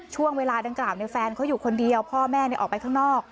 ช่วงเวลาดังกล่าวแฟนเขาอยู่คนเดียวพ่อแม่ออกไปข้างนอก